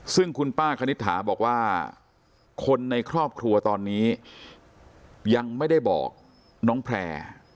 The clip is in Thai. ซึ่งคุณป้าคณิตหาบอกว่าคนในครอบครัวตอนนี้ยังไม่ได้บอกน้องแพร่